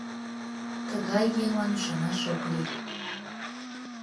— Тыгай еҥлан ӱшанаш ок лий.